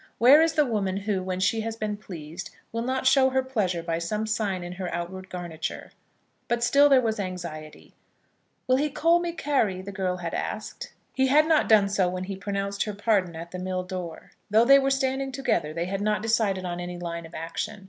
Where is the woman who, when she has been pleased, will not show her pleasure by some sign in her outward garniture? But still there was anxiety. "Will he call me Carry?" the girl had asked. He had not done so when he pronounced her pardon at the mill door. Though they were standing together they had not decided on any line of action.